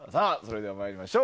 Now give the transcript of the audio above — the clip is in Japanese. では参りましょう。